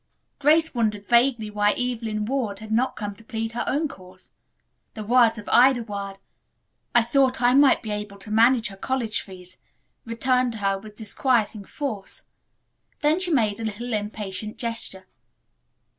Grace wondered vaguely why Evelyn Ward had not come to plead her own cause. The words of Ida Ward, "I thought I might be able to manage her college fees," returned to her with disquieting force. Then she made a little impatient gesture.